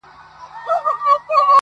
د چا د زړه ازار يې په څو واره دی اخيستی,